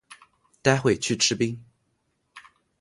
待会去吃冰